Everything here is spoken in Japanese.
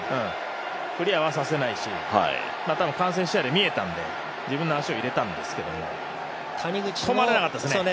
クリアはさせないし、間接視野で見えたので自分の足を入れたんですけど、止まらなかったですよね。